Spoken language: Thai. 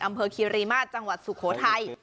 อำเภอคียรีม่าจังหวัดสุโขทัย